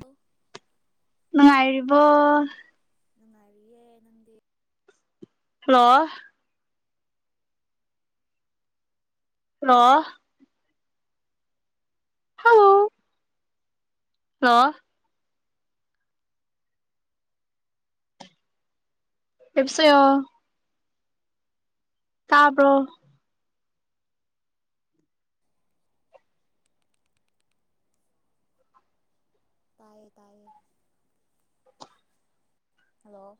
ꯇ ꯅꯨꯡꯉꯥꯏꯔꯤꯕꯣ ꯅꯨꯡꯉꯥꯏꯔꯤꯌꯦꯦ ꯅꯪꯗꯤ ꯍꯜꯂꯣ ꯍꯂꯣ ꯍ ꯍꯂ ꯑꯦꯕꯁꯣ ꯇꯥꯕ꯭ꯔꯣ ꯇꯥꯏꯦ ꯇꯥꯏꯦ ꯍꯂꯣ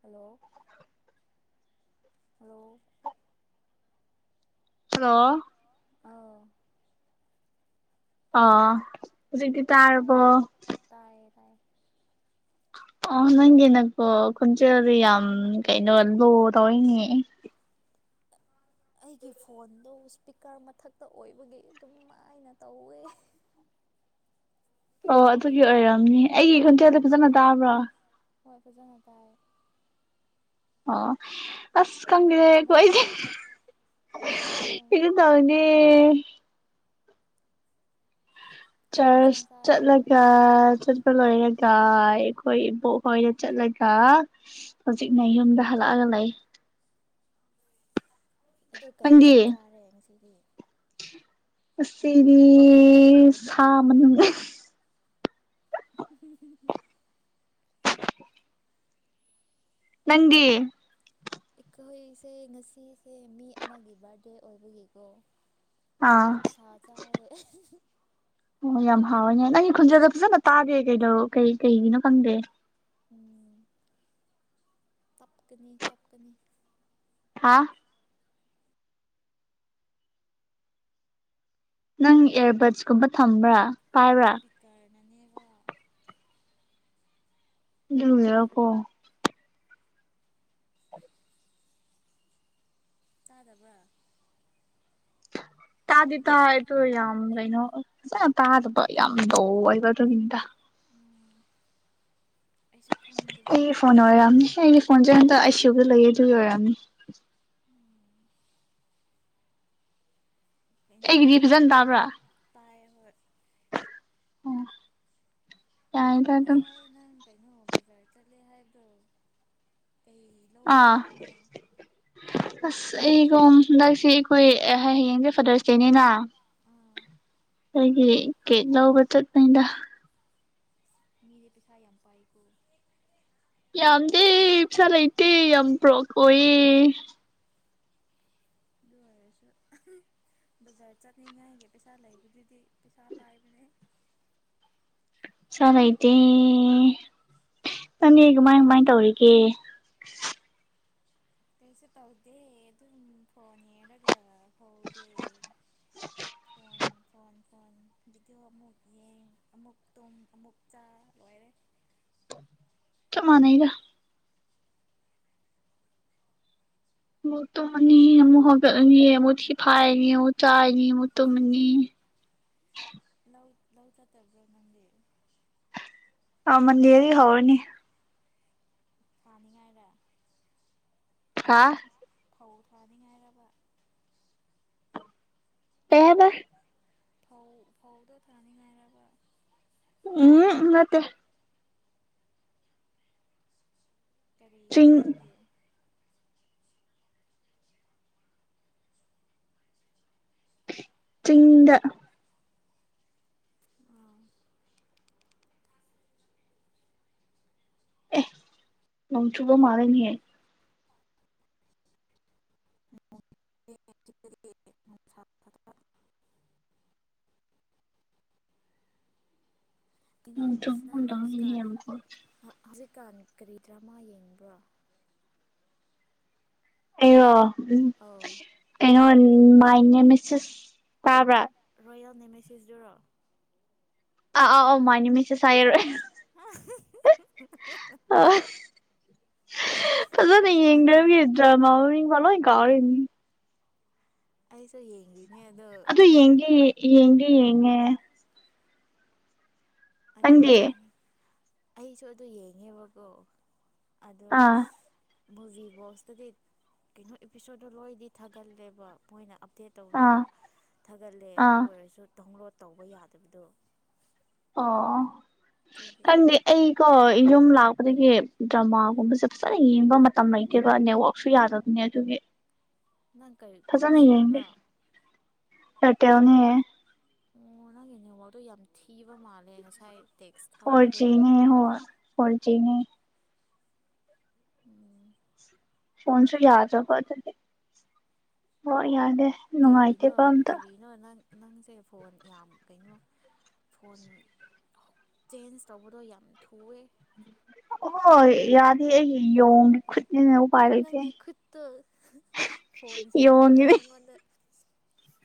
ꯍꯂꯣ ꯍꯣ ꯍꯜꯂꯣ ꯑꯥꯎ ꯑꯥ ꯗꯤ ꯇꯥꯔꯔꯕꯣ ꯇꯥꯏꯌꯦ ꯇꯥꯏꯌꯦ ꯇꯥꯏꯌꯦ ꯑ ꯅꯪꯒꯤ ꯅꯪꯀꯣ ꯈꯣꯟꯖꯦꯜꯗꯤ ꯌꯥꯝ ꯀꯩꯅꯣ ꯂ ꯇꯧꯏꯅꯦ ꯑꯩꯒꯤ ꯐꯣꯟꯗꯣ ꯏꯁꯄꯤꯀꯔ ꯃꯊꯛꯇ ꯑꯣꯏꯕꯒꯤ ꯑꯗꯨꯝ ꯃꯥꯏꯅ ꯇꯧꯋꯦ ꯑꯣ ꯑꯗꯨꯒꯤ ꯑꯣꯏꯔꯝꯅꯤ ꯑꯩꯒꯤ ꯈꯣꯟꯖꯦꯜꯗ ꯐꯖꯅ ꯇꯥꯕ꯭ꯔꯣ ꯍꯣꯏ ꯐꯖꯥ ꯉ ꯇꯥꯏ ꯑꯣ ꯑꯁ ꯈꯪꯒꯤꯗꯦ ꯀꯩꯗꯧꯔꯤꯅꯣ ꯀꯣꯏꯦ ꯀꯩꯗꯧꯔꯤꯅꯣ ꯏ ꯇꯧꯅꯤ ꯆ ꯀꯩ ꯏꯟꯁꯥꯡ ꯆꯥꯔꯦ ꯆꯠꯂꯒ ꯆꯠꯄ ꯂꯣꯏ ꯥꯏ ꯑꯩꯈꯣꯏ ꯏꯕꯣꯛꯣꯏ ꯑꯣꯏꯅ ꯆꯠꯂꯒ ꯍꯧꯖꯤꯛꯅ ꯎꯝ ꯌꯨꯝꯗ ꯍꯜꯂꯛꯑꯒ ꯂꯩ ꯑꯣ ꯀꯩ ꯏꯟꯁꯥꯡ ꯆꯥꯔꯦ ꯉꯁꯤ ꯎ ꯑꯁꯤꯔꯤ ꯁꯥꯥ ꯃꯅ ꯍꯝ ꯍꯝ ꯅꯪꯗꯤ ꯑꯩꯈꯣꯏꯁꯦ ꯉꯁꯤꯁꯦ ꯃꯤ ꯑꯃꯒꯤ ꯕꯥꯔꯗꯦ ꯑꯣꯏꯕꯒꯤꯀꯣ ꯑꯥ ꯑꯣꯛꯁꯥꯥ ꯆꯥꯌꯦ ꯑꯍꯦꯍꯦ ꯑꯣ ꯌꯥꯝ ꯍꯥꯎꯋꯦꯅꯦ ꯅꯪꯒꯤ ꯈꯣꯟꯖꯦꯟꯗꯣ ꯐꯖꯅ ꯇꯥꯗꯦ ꯀꯩꯗꯧ ꯀꯩ ꯀꯩꯒꯤꯅꯣ ꯈꯪꯗꯦ ꯎꯝ ꯇꯞꯀꯅꯤ ꯇꯞꯀꯅꯤ ꯍꯥ ꯅꯪ ꯑꯦꯔꯕꯠꯁ ꯀꯨꯝꯕ ꯊꯝꯕ꯭ꯔꯥ ꯄꯥꯏꯕ꯭ꯔꯥ ꯄꯤꯀꯔꯅꯅꯦꯕ ꯑꯗꯨꯔꯣꯄꯣ ꯇꯥꯗꯕ꯭ꯔꯥ ꯇꯥꯗꯤ ꯇꯥꯏ ꯑꯇꯣ ꯌꯥꯝ ꯀꯩꯅꯣ ꯇꯥ ꯌꯥꯝꯗꯧ ꯑꯣꯏꯕ ꯇ ꯃꯤꯗ ꯎꯝ ꯑꯩꯁꯨ ꯈꯪꯗ꯭ꯔꯦ ꯑꯩ ꯐꯣꯟ ꯑꯣꯏꯔꯝꯅꯤ ꯑꯩꯒꯤ ꯐꯣꯟꯁꯦ ꯍꯟꯗꯛ ꯑꯩ ꯁꯤꯕ ꯂꯩꯌꯦ ꯑꯗꯨꯒꯤ ꯑꯣꯏꯔꯝꯅꯤ ꯀꯩꯅꯣ ꯅꯪ ꯑꯩꯒꯤꯗꯤ ꯉꯁꯤ ꯐꯖꯅ ꯇꯥꯕ꯭ꯔꯥ ꯇꯥꯏ ꯍꯣꯏ ꯑꯣ ꯋꯥꯉꯥꯡꯂꯣꯏꯒꯤ ꯈꯣꯟꯖꯦꯜꯁꯦ ꯌꯥꯝꯅ ꯄꯤꯛꯄꯅ ꯂꯧꯐꯝ ꯈꯪꯗꯔꯦ ꯋꯥꯉꯥꯡꯂꯣꯏꯒꯤ ꯈꯣꯟꯖꯦꯜꯁꯦ ꯌꯥꯝꯅ ꯄꯤꯛꯄꯅ ꯂꯧꯐꯝ ꯈꯪꯗꯔꯦ ꯑꯥ ꯀꯩ ꯑꯁ ꯊꯕꯛ ꯑꯩꯒꯣꯝ ꯆꯠꯄꯅꯣꯕ ꯍꯟꯗꯛꯁꯤ ꯑꯩꯈꯣꯏ ꯑꯦꯍ ꯍꯌꯦꯡꯗꯤ ꯐꯥꯗꯔꯁ ꯗꯦꯅꯤꯅ ꯑꯥ ꯑꯩꯒꯤ ꯀꯦꯛ ꯂꯧꯕ ꯆꯠꯄꯅꯤꯗ ꯃꯤꯗꯤ ꯄꯩꯁꯥ ꯌꯥꯝ ꯄꯥꯏꯀꯣ ꯌꯥꯝꯗꯦ ꯄꯩꯁꯥ ꯂꯩꯇꯦ ꯌꯥꯝ ꯕ꯭ꯔꯣꯛ ꯑꯣꯏꯌꯦ ꯑꯗꯨ ꯑꯣꯏꯔꯁꯨ ꯑꯍ ꯕꯖꯥꯔ ꯆꯠꯅꯤꯡꯉꯥꯏꯒꯤ ꯄꯩꯁꯥ ꯂꯩꯕꯗꯨꯗꯤ ꯄꯩꯁꯥ ꯄꯥꯏꯕꯅꯦ ꯁꯥ ꯂꯩꯇꯦ ꯅꯪꯗꯤ ꯀꯃꯥꯏ ꯀꯃꯥꯏ ꯇꯧꯔꯤꯒꯦ ꯀꯩꯁꯨ ꯇꯥꯎꯗꯦ ꯑꯗꯨꯝꯝ ꯐꯣꯟ ꯌꯦꯡꯉꯒ ꯋꯥꯉꯥꯡꯂꯣꯏꯒꯤ ꯈꯣꯟꯖꯦꯜꯁꯦ ꯌꯥꯝꯅ ꯄꯤꯛꯄꯅ ꯂꯧꯐꯝ ꯈꯪꯗꯔꯦ ꯐꯣꯟ ꯐꯣꯟ ꯚꯤꯗꯤꯑꯣ ꯑꯃꯨꯛ ꯌꯦꯡ ꯑꯃꯨꯛ ꯇꯨꯝ ꯑꯃꯨꯛ ꯆꯥ ꯂꯣꯏꯔꯦ ꯆꯞ ꯃꯥꯟꯅꯩꯗ ꯃꯨꯛ ꯇꯨꯝꯃꯅꯤ ꯑꯃꯨꯛ ꯍꯧꯒꯠꯂꯅꯤ ꯑꯃꯨꯛ ꯊꯤꯐꯥꯏꯔꯅꯤ ꯑꯃꯨꯛ ꯆꯥꯏ ꯅꯤ ꯑꯃꯨꯛ ꯇꯧꯝꯃꯅꯤ ꯂꯧ ꯂꯧ ꯆꯠꯇꯕ꯭ꯔ ꯅꯪꯗꯤ ꯑ ꯃꯟꯗꯦꯗꯩ ꯍꯧꯔꯅꯤ ꯊꯥꯅꯤꯡꯉꯥꯏꯔꯥ ꯍꯥ ꯐꯧ ꯊꯥꯅꯤꯡꯉꯥꯏꯔꯕ ꯀꯩ ꯍꯥꯏꯕ ꯐꯧ ꯐꯧꯗꯣ ꯊꯥꯅꯤꯡꯉꯥꯏꯔꯕ ꯎꯝꯍꯝ ꯅꯠꯇꯦ ꯀꯔꯤꯅꯣ ꯆꯤꯡ ꯑꯗꯨꯗꯤ ꯆꯤꯡꯗ ꯑꯦ ꯅꯣꯡꯆꯨꯕ ꯃꯥꯜꯂꯦꯅꯦ ꯑꯥ ꯀꯩꯅꯣ [unintelligible] ꯀꯥꯟ ꯀꯔꯤ ꯗ꯭ꯔꯃꯥ ꯌꯦꯡꯕ꯭ꯔꯣ ꯑꯩꯔꯣ ꯎꯝ ꯑꯧ ꯑꯩꯉꯣꯟ ꯎꯝ ꯃꯥꯏ ꯅꯦꯃꯦꯁꯦꯁ ꯇꯥꯕ꯭ꯔꯥ ꯄꯌꯦꯜ ꯅꯦꯃꯦꯁꯦꯖ ꯗꯨꯔꯣ ꯑꯥ ꯑ ꯑꯥꯎ ꯃꯥꯏ ꯅꯦꯃꯦꯁꯦꯁ ꯍꯥꯏꯌꯦꯔꯦ ꯑꯦꯍ ꯑꯍ ꯐꯖꯅ ꯌꯦꯗ꯭ꯔꯥꯃꯤ ꯗ꯭ꯔꯃꯥ ꯃꯃꯤꯡꯐꯥꯎ ꯂꯣꯏ ꯀꯥꯎꯔꯦꯅꯦ ꯑꯩꯁꯨ ꯌꯦꯡꯔꯤ ꯑꯗꯨ ꯌꯦꯡꯒꯦ ꯌꯦ ꯌꯦꯡꯒꯦ ꯑꯩ ꯌꯦꯡꯉꯦ ꯑꯗꯣ ꯅꯪꯗꯤ ꯀꯩ ꯑꯦꯅꯦꯡꯉꯤꯅꯣ ꯑꯩꯁꯨ ꯑꯗꯨ ꯌꯦꯡꯉꯦꯕꯀꯣ ꯑꯗꯣ ꯑꯥ ꯁꯍꯍ ꯃꯨꯚꯤ ꯕꯣꯛꯁꯇꯗꯤ ꯀꯩꯅꯣ ꯏꯄꯤꯁꯣꯠꯇꯣ ꯂꯣꯏꯗꯤ ꯊꯥꯒꯜꯂꯦꯕ ꯃꯣꯏꯅ ꯑꯞꯗꯦꯠ ꯇꯧꯕꯗ ꯑꯥ ꯊꯥꯒꯠꯂꯦ ꯑꯗꯨ ꯑꯥ ꯑꯣꯏꯔꯁꯨ ꯗꯥꯎꯟꯂꯣꯠ ꯇꯧꯕ ꯌꯥꯗꯕꯗꯣ ꯑꯣ ꯑꯗꯨꯒꯤ ꯈꯪꯗꯦ ꯑꯩ ꯀꯣꯏ ꯑꯩ ꯌꯨꯝ ꯂꯥꯛꯄꯗꯒꯤ ꯎꯝ ꯗ꯭ꯔꯃꯥꯒꯨꯝꯕꯁꯦ ꯐꯖꯅ ꯌꯦꯡ ꯃꯇꯝ ꯂꯩꯇꯦꯕ ꯅꯦꯠꯋꯥꯛꯁꯨ ꯌꯥꯗꯕꯅꯦ ꯑꯗꯨꯒꯤ ꯅꯪ ꯀꯔꯤ ꯀ꯭ꯔꯤ ꯐꯖꯅ ꯌꯦꯡꯗꯦ ꯁꯤꯝꯔꯣ ꯑꯦꯌꯥꯔꯇꯦꯜꯅꯦ ꯑꯣ ꯅꯪꯒꯤ ꯅꯦꯋꯥꯛꯇꯣ ꯌꯥꯝ ꯊꯤꯕ ꯃꯥꯜꯂꯦ ꯉꯁꯥꯏ ꯇꯦꯛꯁ ꯐꯣꯔ ꯊꯥꯕꯗꯣ ꯖꯤ ꯅꯦꯋꯥꯛ ꯐꯣꯔ ꯖꯤ ꯅꯦ ꯎꯝ ꯐꯣꯟꯁꯨ ꯌꯥꯗ꯭ꯔꯕ ꯑꯗꯨꯗꯤ ꯅꯦꯋꯥꯛ ꯌꯥꯗꯦ ꯀꯔꯤꯅꯣ ꯅꯨꯡꯉꯥꯏꯇꯦꯕ ꯑꯝꯇ ꯀꯔꯤꯅꯣ ꯅꯪ ꯅꯪꯁꯦ ꯐꯣꯟ ꯌꯥꯝ ꯀꯩꯅꯣ ꯐꯣꯟ ꯆꯦꯟꯖ ꯇꯧꯕꯗꯣ ꯌꯥꯝ ꯊꯨꯋꯦ ꯍꯣꯏ ꯌꯥꯗꯦ ꯑꯩꯒꯤ ꯌꯣꯡꯒꯤ ꯈꯨꯠ ꯅꯪꯒꯤ ꯈꯨꯠꯇꯨ ꯍꯍ ꯐꯣꯟ ꯁꯤꯡꯒꯦ ꯅꯛ ꯌꯣꯟꯒꯤꯅꯤ ꯅꯉꯣꯟꯗ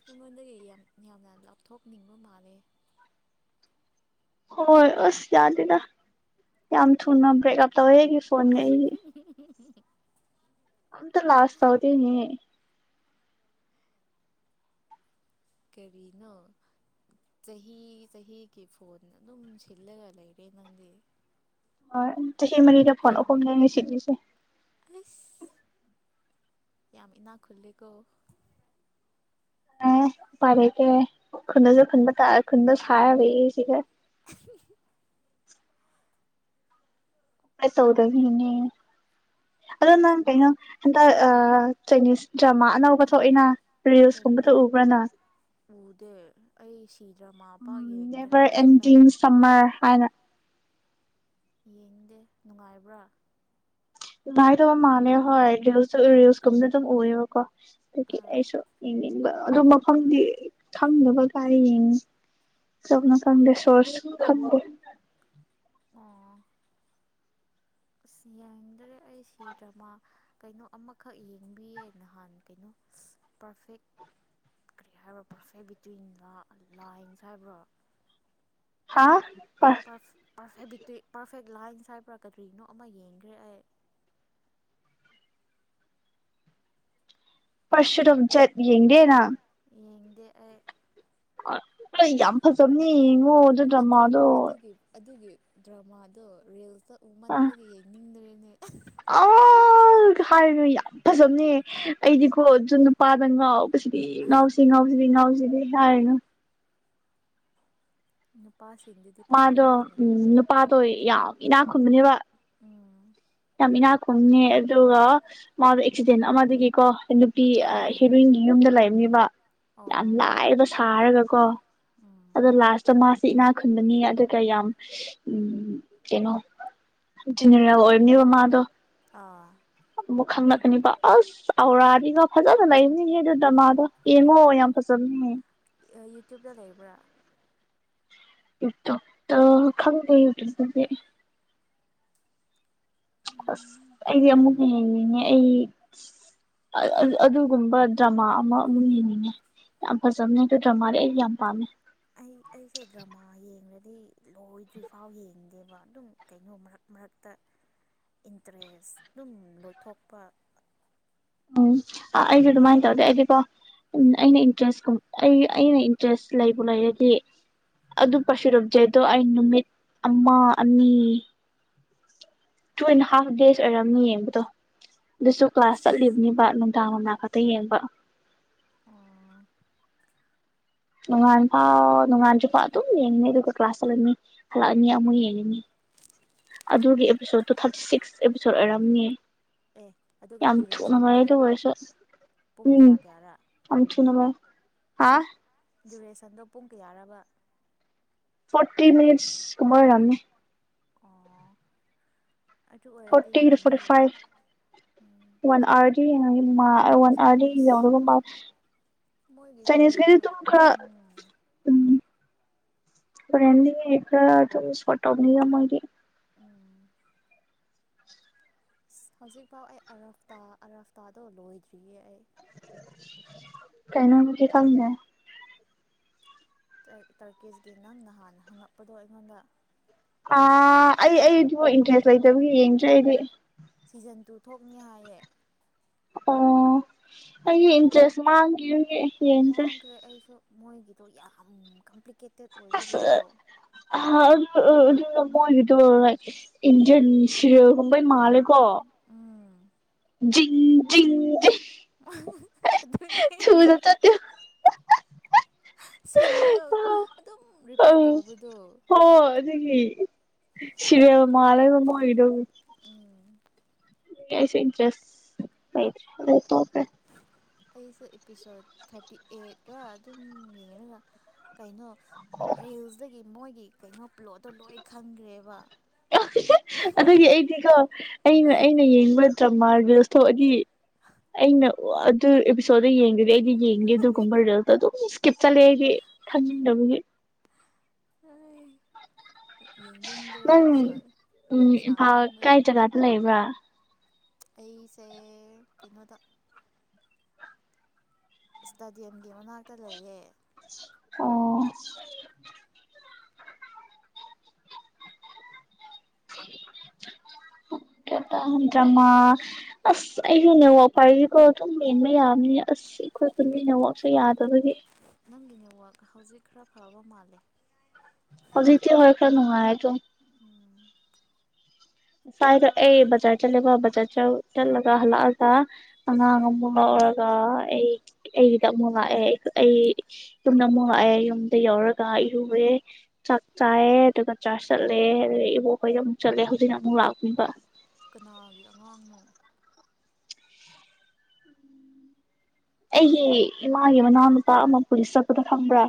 ꯅꯉꯣꯟꯗꯒꯤ ꯌꯥꯝ ꯌꯥꯝꯅ ꯂꯥꯞꯊꯣꯛꯅꯤꯡꯕ ꯃꯥꯜꯂꯦ ꯍꯣꯏ ꯑꯁ ꯌꯥꯗꯦꯗ ꯌꯥꯝ ꯊꯨꯅ ꯕ꯭ꯔꯦꯛ ꯑꯞ ꯇꯧꯋꯦ ꯑꯩꯒꯤ ꯐꯣꯟ ꯉꯩꯗꯤ [unintelligible] ꯑꯝꯇ ꯂꯥꯁ ꯇꯧꯗꯦꯅꯦ꯫ ꯀꯔꯤꯅꯣ ꯆꯍꯤ ꯆꯍꯤꯒꯤ ꯐꯣꯟ ꯑꯗꯨꯝ ꯁꯤꯜꯂꯒ ꯂꯩꯔꯦ ꯅꯪꯗꯤ꯫ ꯍꯧꯔꯛꯑꯅꯤ ꯆꯍꯤ ꯃꯔꯤꯗ ꯐꯣꯟ ꯑꯍꯨꯝꯅꯦ ꯑꯩꯅ ꯁꯤꯠꯂꯤꯖꯦ꯫ ꯑꯩꯁ ꯌꯥꯝ ꯏꯅꯥꯛ ꯈꯨꯜꯂꯦꯀꯣ꯫ ꯑꯦ ꯎꯄꯥꯏ ꯂꯩꯇꯦ ꯈꯨꯟꯗꯖꯨ ꯈꯨꯟꯕ ꯇꯥꯔ ꯈꯨꯟꯕ ꯁꯥꯔ ꯂꯩꯌꯦꯁꯤꯗ꯫ [unintelligible] ꯑꯗꯣ ꯅꯪ ꯀꯩꯅꯣ ꯍꯟꯗꯛ ꯑ ꯆꯩꯏꯅꯤꯁ ꯗ꯭ꯔꯃꯥ ꯑꯅꯧꯕ ꯊꯣꯛꯏꯅ ꯔꯤꯜꯁꯀꯨꯝꯕꯗꯨ ꯀꯔꯤꯔ ꯎꯕ꯭ꯔꯥꯅ꯫ ꯎꯗꯦ ꯑꯩ ꯁꯤ ꯗ꯭ꯔꯃꯥ ꯎꯝ ꯄꯥꯛ ꯌꯦꯡꯗ꯭ꯔꯦ ꯅꯦꯚꯔ ꯍꯧꯖꯤꯛꯀꯥꯟ ꯑꯦꯟꯗꯤꯡ ꯁꯝꯃꯔ ꯍꯥꯏꯅ꯫ ꯌꯦꯡꯗꯦ ꯅꯨꯡꯉꯥꯏꯕ꯭ꯔꯥ꯫ ꯉꯥꯏꯗꯕ ꯃꯥꯜꯂꯦ ꯍꯣꯏ ꯔꯤꯜꯁ ꯔꯤꯜꯁꯀꯨꯝꯗ ꯑꯗꯨꯝ ꯑꯨꯏꯕꯀꯣ ꯑꯗꯨꯒꯤ ꯑꯥ ꯑꯩꯁꯨ ꯌꯦꯡꯅꯤꯡꯕ ꯑꯗꯨ ꯃꯐꯝꯗꯤ ꯈꯪꯗꯕ ꯀꯥꯏ ꯌꯦꯡꯅꯤ ꯀꯔꯤꯕꯅꯣ ꯈꯪꯗꯦ ꯁꯣꯔꯁ [unintelligible] ꯈꯪꯗꯦ ꯑꯣ꯫ ꯏꯁ ꯌꯦꯡꯗꯔꯦ꯫ ꯑꯩ ꯁꯤ ꯗ꯭ꯔꯃꯥ ꯀꯩꯅꯣ ꯑꯃꯈꯛ ꯌꯦꯡꯕꯤꯌꯦ ꯅꯍꯥꯟ ꯀꯩꯅꯣ ꯄꯔꯐꯦꯛ ꯀꯔꯤ ꯍꯥꯏꯕ꯭ꯔ ꯄꯔꯐꯦꯛ ꯕꯤꯇ꯭ꯋꯤꯟ ꯂꯥ ꯂꯥꯏꯟꯁ ꯍꯥꯏꯕ꯭ꯔꯣ꯫ ꯑꯥ꯫ ꯄꯔꯐ ꯄꯔꯐꯦꯛ ꯕꯤꯇꯨꯌꯤꯛ ꯄꯔꯐꯦꯛ ꯂꯥꯏꯟꯁ ꯍꯥꯏꯕ꯭ꯔꯥ ꯀꯔꯤꯅꯣ ꯑꯃ ꯌꯦꯡꯈ꯭ꯔꯦ ꯑꯩ꯫ ꯄꯁꯔꯨꯝ ꯆꯠ ꯌꯦꯡꯒꯦꯔ꯫ ꯌꯦꯡꯗꯦ ꯑꯩ꯫ [unintelligible] ꯑꯩ ꯌꯥꯝ ꯐꯖꯕꯅꯤ ꯌꯦꯡꯉꯣ ꯑꯗꯣ ꯑꯗꯨ ꯗ꯭ꯔꯃꯥꯗꯣ꯫ ꯑꯗꯨꯒꯤ ꯑꯗꯨꯒꯤ ꯗ꯭ꯔꯃꯥꯗꯣ ꯔꯤꯜꯁꯇꯣ꯫ ꯑꯨꯃꯟꯕꯒꯤ ꯌꯦꯡꯅꯤꯡꯗ꯭ꯔꯦ꯫ ꯑꯦ [unintelligible] ꯑ ꯍꯥꯏꯔꯒ ꯌꯥꯝ ꯐꯖꯕꯅꯦ ꯑꯩꯗꯤꯀꯣ ꯖꯨ ꯅꯨꯄꯥꯗ ꯉꯥꯎ ꯉꯁꯤꯗꯤ ꯉꯥꯎꯁꯤ ꯉꯥꯎꯖꯤꯗꯤ ꯉꯥꯎꯖꯤ ꯑꯗꯨꯗꯤ ꯍꯥꯏꯔꯅꯨ꯫ ꯅꯨꯄ ꯃꯥꯗꯣ ꯎꯝ ꯅꯨꯄꯥꯗꯣ ꯌꯥꯝ ꯏꯅꯥꯛ ꯈꯨꯨꯟꯕꯅꯦꯕ꯫ ꯎꯝ ꯌꯥꯝ ꯏꯅꯥꯛ ꯈꯨꯟꯕꯅꯦ ꯑꯗꯨꯒ ꯃꯥꯗꯣ ꯑꯦꯛꯁꯤꯗꯦꯟ ꯑꯃꯗꯒꯤꯀꯣ ꯅꯨꯄꯤ ꯑ ꯑꯥ ꯍꯤꯔꯣꯏꯟꯒꯤ ꯌꯨꯝꯗ ꯂꯥꯏ ꯅꯤꯕ꯫ ꯌꯥꯝ ꯑꯣ ꯂꯥꯏꯕꯁ ꯁꯥꯔꯒ ꯀꯣ꯫ ꯎꯝ ꯑꯗꯣ ꯂꯥꯁꯇ ꯃꯥꯁꯤ ꯏꯅꯥ ꯈꯨꯟꯕꯅꯤ ꯑꯗꯨꯒ ꯌꯥꯝ ꯎꯝ ꯀꯩꯅꯣ ꯖꯦꯅꯔꯦꯜ ꯑꯣꯏꯔꯝꯅꯦꯕ ꯃꯥꯗꯣ꯫ ꯑꯥ꯫ ꯑꯃꯨꯛ ꯈꯪꯪꯂꯛꯀꯅꯤꯕ ꯑꯁ ꯑꯧꯔꯅꯤꯒ ꯐꯖꯅ ꯂꯩꯕꯅꯤꯦ ꯗꯃꯗ ꯏꯃ ꯌꯥꯝ ꯐꯁꯜ ꯌꯇ꯭ꯨꯕꯇ ꯂꯩꯕ꯭ꯔꯥ ꯌꯨꯇꯨꯕ ꯈꯪ ꯂꯩ ꯌꯨꯇꯨꯕ ꯃ ꯑꯁ ꯑꯩꯗꯤ ꯑꯃꯨꯛ ꯌꯦꯡꯅꯤꯡꯉꯦ ꯑꯩ ꯑꯗꯨꯒꯨꯝꯕ ꯗ꯭ꯔꯃꯥ ꯑꯃ ꯑꯃꯨꯛ ꯌꯦꯡꯅꯤꯡꯉꯦ ꯌꯥꯝ ꯐꯖꯕꯅꯦ ꯑꯗꯨꯗ ꯗ꯭ꯔꯃꯥꯗꯤ ꯑꯩꯗꯤ ꯌꯥꯝ ꯄꯥꯝꯃꯦ ꯑꯩ ꯑꯩꯁꯦ ꯗ꯭ꯔꯃꯥ ꯌꯦꯡꯗꯤ ꯂꯣꯏꯗ꯭ꯔꯤꯐꯥꯎ ꯌꯦꯡ ꯗꯦꯕ ꯑꯗꯨꯝ ꯀꯩꯅꯣ ꯃꯔꯛ ꯃꯔꯛꯇ ꯏꯟꯇꯔꯦꯁ ꯑꯗꯨꯝ ꯂꯣꯏꯊꯣꯛꯄ ꯎꯝ ꯑꯩꯁꯨ ꯑꯗꯨꯃꯥꯏꯅ ꯇꯧꯗꯦ ꯍꯥꯏꯗꯤꯀꯣ ꯑꯩꯅ ꯏꯟꯇꯔꯦꯁꯀꯨꯝ ꯑꯩ ꯑꯩꯅ ꯏꯟꯇꯔꯦꯁ ꯂꯩꯕꯨ ꯂꯩꯔꯗꯤ ꯑꯗꯨ ꯄꯁꯨꯔꯨꯞꯖ ꯍꯥꯏꯣ ꯑ ꯅꯨꯃꯤꯠ ꯑꯝꯃꯥ ꯑꯝꯃꯤ ꯇꯨ ꯑꯦꯟ ꯍꯥꯐ ꯗꯦꯖ ꯑꯣꯏꯔꯝꯅ ꯌꯦꯡꯕꯗꯣ ꯑꯗꯨꯁꯨ ꯀ꯭ꯂꯥꯁ ꯑꯁ ꯆꯠꯂꯤꯕꯅꯤꯕ ꯅꯨꯡꯗꯥꯡ ꯋꯥ ꯑꯇꯩ ꯌꯦꯡꯕ ꯑꯣ ꯅꯣꯡꯉꯥꯟ ꯐꯥꯎ ꯅꯣꯡꯉꯥꯟꯁꯨꯐꯥꯎ ꯑꯗꯨꯝ ꯌꯦꯡꯉꯅꯤ ꯑꯗꯨꯒ ꯀ꯭ꯂꯥꯁ ꯆꯠꯂꯅꯤ ꯍꯜꯂꯛꯑꯅꯤ ꯑꯃꯨꯛ ꯌꯦꯡꯉꯅꯤ ꯑꯗꯨꯒꯤ ꯑꯦꯄꯤꯁꯣꯠꯇꯣ ꯊꯥꯔꯇꯤ ꯁꯤꯛꯁ ꯑꯦꯄꯤꯁꯣꯠ ꯑꯣꯏꯔꯝꯅꯤ ꯌꯥꯝ ꯑꯦ ꯑꯗꯨꯒ ꯌꯥꯝ ꯊꯨꯅ ꯗ꯭ꯌꯨꯔꯦꯁꯟꯗꯤ ꯃꯔꯥꯏꯗ ꯑꯣꯏꯔꯁ ꯄꯨꯡ ꯎꯝ ꯀꯌꯥ ꯀꯌꯥꯔꯥ ꯌꯥꯝ ꯊꯅ ꯑꯃꯥꯏ ꯍꯥ ꯗꯨꯔꯦꯁꯟꯗꯣ ꯄꯨꯡ ꯀꯌꯥꯔꯕ ꯐꯣꯔꯇꯤ ꯃꯤꯅꯤꯠꯁ ꯀꯨꯝꯃꯔ ꯔꯨ ꯑꯣ ꯑꯗꯨ ꯑꯣꯏꯔꯗꯤ ꯐꯇꯤ ꯌꯦꯡꯕ ꯐꯤ ꯐ ꯌꯥꯏ ꯎꯝ ꯋꯥꯟꯔ ꯋꯥꯟ ꯑꯥꯋꯥꯔꯗꯤ ꯆꯥꯏꯅꯤꯁ ꯌꯥꯎꯔꯒ ꯃꯥ ꯃꯣꯏꯒꯤꯁꯦ ꯆꯥꯏꯅꯤꯁꯈꯩꯗꯤ ꯀꯩꯅꯣ ꯑꯗꯨꯝ ꯈꯔ ꯎꯝ ꯎ ꯁꯣꯇꯣꯔꯤ ꯎꯝ ꯑ ꯍꯧꯖꯤꯛꯐꯥꯎ ꯑꯩ ꯑꯔꯞꯇꯥ ꯑꯔꯞꯇꯥꯗꯣ ꯂꯣꯏꯗ꯭ꯔꯤꯌꯦ ꯑꯩ ꯀꯥꯏꯅ ꯊꯝꯅꯦ ꯇꯔꯀꯤꯁꯀꯤ ꯅꯪ ꯅꯍꯥꯟꯅ ꯍꯪꯉꯛꯄꯗꯣ ꯑꯩꯉꯣꯟꯗ ꯑ ꯑꯩ ꯑꯩꯗꯨꯕꯨ ꯏꯟꯇꯔꯦꯁ ꯂꯩꯇꯕꯒꯤ ꯌꯦꯡꯗ꯭ꯔꯦ ꯑꯩꯗꯤ ꯁꯤꯖꯟ ꯇꯨ ꯊꯣꯛꯅꯤ ꯍꯥꯏꯌꯦ ꯑꯣ ꯑꯩ ꯏꯟ ꯆꯁ ꯃꯥꯡꯒꯤꯦ ꯃꯥꯡꯈ꯭ꯔꯦ ꯑꯩꯁꯨ ꯃꯣꯏꯒꯤꯗꯣ ꯌꯥꯝ ꯀ ꯑꯦꯄ꯭ꯂꯤꯀꯦꯇꯦꯠ ꯑꯣꯏꯕꯤꯒꯦꯀꯣ ꯑ ꯑꯗꯨ ꯅꯃꯒꯣ ꯏꯟꯖꯟꯁꯤꯒꯣꯏ ꯃꯥꯂ ꯀ ꯎꯝ ꯖꯤ ꯑꯗꯨꯅꯦ ꯊꯨꯗꯗ ꯇꯨ ꯁꯤꯟꯗꯣ ꯑꯗꯨꯝ ꯔꯤꯄꯦꯠ ꯑꯪ ꯇꯧꯕꯗꯣ ꯍꯣꯏ ꯑꯗꯨꯒꯤ ꯁꯤꯔꯤꯌꯦꯜ ꯃꯥꯜꯂꯦꯕ ꯃꯣꯏꯒꯤꯗꯣ ꯎꯝ ꯀꯁꯨ ꯏꯇꯔꯦꯁꯦ ꯑꯩꯁꯨꯦ ꯑꯦꯄꯤꯁꯣꯠ ꯊꯥꯔꯇꯤ ꯑꯩꯠꯇ ꯑꯗꯨꯝ ꯌꯦꯡꯉꯒ ꯀꯩꯅꯣ ꯔꯤꯜꯁꯗꯒꯤ ꯃꯣꯏꯒꯤ ꯀꯩꯅꯣ ꯄ꯭ꯂꯣꯠꯇꯣ ꯂꯣꯏ ꯈꯪꯈ꯭ꯔꯦꯕ ꯑꯗꯨꯒꯤ ꯔꯣꯁꯇꯣ ꯑꯩꯗꯤ ꯑꯩꯅ ꯑꯗꯨ ꯑꯦꯄꯤꯁꯣꯗ ꯌꯦꯡꯗꯗꯤ ꯑꯩꯗꯤ ꯌꯦꯡꯉꯦ ꯑꯗꯨꯒꯨꯝꯕ ꯔꯤꯜꯁ ꯑꯗꯨꯝ ꯀꯤꯞ ꯆꯠꯂꯦ ꯑꯩꯗꯤ ꯈꯟꯅꯤꯡꯗꯕꯒꯤ ꯑ ꯅꯪ ꯑꯦꯄꯤꯁꯣꯠ ꯎꯝ ꯏꯝꯐꯥꯜ ꯁꯥꯡꯃꯟꯕꯒꯤ ꯀꯥꯏ ꯖꯒꯥꯗ ꯂꯩꯕ꯭ꯔꯥ ꯑꯩꯁꯦ ꯀꯩꯅꯣꯗ ꯏꯁꯇꯗꯤꯌꯝꯒꯤ ꯃꯅꯥꯛꯇ ꯂꯩꯌꯦ ꯑꯣ ꯗ꯭ꯔꯃꯥ ꯑꯁ ꯑꯩꯁꯨ ꯅꯦꯋꯥꯛꯄ ꯄꯥꯏꯔꯤꯁꯤꯀꯣ ꯑꯗꯨꯝ ꯃꯦꯟꯕ ꯌꯥꯕꯅꯤ ꯑꯁ ꯑꯩꯈꯣꯏ ꯅꯦꯋꯥꯛꯁꯨ ꯌꯥꯗꯕꯒꯤ ꯑꯊꯪꯒꯤꯅꯦ ꯋꯥꯛ ꯍꯧꯖꯤꯛ ꯈꯔ ꯐꯕ ꯃꯥꯂꯦ ꯍꯧꯖꯤꯛꯇ ꯍꯔ ꯈꯔ ꯅꯣꯡꯉꯥꯏ ꯑꯣ ꯉꯁ꯭ꯋꯥꯏꯗ ꯑꯩ ꯕꯖꯥꯔ ꯆꯠꯂꯦꯕ ꯕꯖꯥꯔ ꯆꯠꯂꯒ ꯍꯜꯂꯛꯑꯒ ꯑꯉꯥꯡ ꯑꯃꯨꯛ ꯂꯧꯔꯒ ꯑꯩ ꯑꯩꯗ ꯑꯃꯨꯛ ꯂꯥꯛꯑꯦ ꯑꯩ ꯌꯨꯝꯗ ꯑꯃꯨꯛ ꯂꯥꯛꯑꯦ ꯌꯨꯝꯗ ꯌꯧꯔꯒ ꯏꯔꯨꯔꯦ ꯆꯥꯛ ꯆꯥꯏꯑꯦ ꯑꯗꯨꯒ ꯆꯥꯛ ꯆꯠꯂꯦ ꯑꯗꯒꯤ ꯏꯕꯣꯛꯈꯩꯗ ꯑꯃꯨꯛ ꯆꯠꯂꯦ ꯍꯧꯖꯤꯛ ꯑꯗꯨꯅ ꯑꯃꯨꯛ ꯂꯥꯛꯅꯤꯡꯕ ꯀꯅꯥꯒꯤ ꯑꯉꯥꯡꯅꯣ ꯑꯩꯒꯤ ꯏꯃꯥꯒꯤ ꯃꯅꯥꯎꯅꯨꯄꯥ ꯑꯃ ꯄꯨꯂꯤꯁ ꯆꯠꯄꯗ ꯐꯪꯕ꯭ꯔꯥ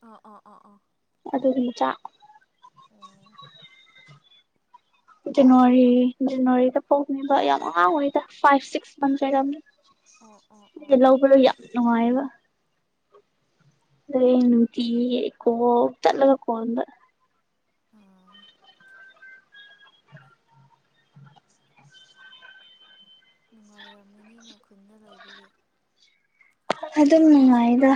ꯑ ꯑ ꯑ ꯑ ꯑꯗꯨꯝ ꯆ ꯖꯅꯋꯥꯔꯤ ꯖꯅꯋꯥꯔꯤꯗ ꯐꯣꯛꯅꯦꯕ ꯌꯥꯝ ꯑꯉꯥꯡ ꯑꯣꯏꯔꯤꯩꯗ ꯐꯥꯏꯚ ꯁꯤꯛꯁ ꯃꯟ ꯂꯩꯔꯝꯅꯤ ꯑꯣ ꯑꯣ ꯑꯣ ꯑꯣ ꯂꯧ ꯑꯣ ꯄꯂꯣ ꯌꯥꯅꯅꯨꯡꯉꯑꯕ ꯂꯩꯅꯨꯡꯤ ꯀꯣ ꯆꯠꯂꯒ ꯀꯣꯟꯗ ꯑ ꯅꯨꯡꯉꯥꯏꯔꯝꯒꯅꯤꯅꯦ ꯈꯨꯟꯅ ꯂꯩꯕꯒꯤ ꯑꯗꯨꯝ ꯅꯨꯡꯉꯥꯏꯗ